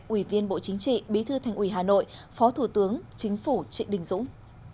ủy viên bộ chính trị bí thư thành ủy hà nội phó thủ tướng chính phủ trịnh đình dũng